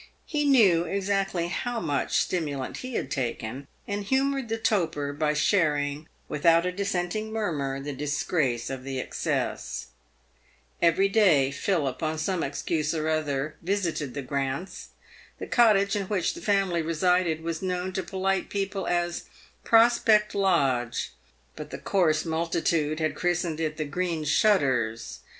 He knew exactly how much stimu lant he had taken, and humoured the toper by sharing, without a dissenting murmur, the disgrace of the excess. Every day Philip, on some excuse or other, visited the Grants. The cottage in which the family resided was known to polite people as Prospect Lodge, but the coarse multitude had christened it the " Green Shutters."